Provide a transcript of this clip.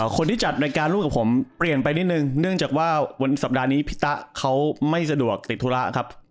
คนที่จัดรายการลูกกับผมเปลี่ยนไปนิดนึงเนื่องจากว่าวันสัปดาห์นี้พี่ตะเขาไม่สะดวกติดธุระครับ